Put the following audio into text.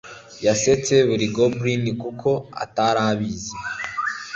Yasetse buri goblin kuko atarabizi